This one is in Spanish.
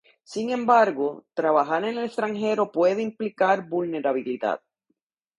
Sin embargo, trabajar en el extranjero puede implicar vulnerabilidad.